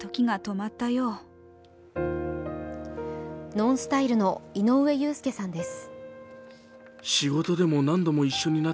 ＮＯＮＳＴＹＬＥの井上裕介さんです。